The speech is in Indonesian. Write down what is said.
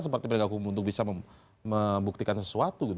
seperti bergakung untuk bisa membuktikan sesuatu gitu